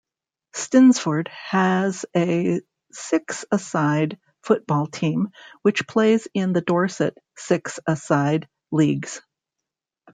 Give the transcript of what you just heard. Stinsford has a six-a-side football team which plays in the Dorset six-a-side leagues.